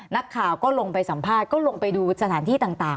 นักข่าวก็ลงไปสัมภาษณ์ก็ลงไปดูสถานที่ต่าง